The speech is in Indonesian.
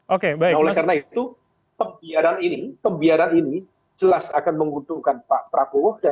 oleh karena itu pembiaran ini jelas akan menguntungkan pak prabowo